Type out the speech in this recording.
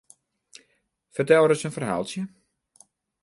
Fertel ris in ferhaaltsje?